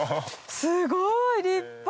すごい立派！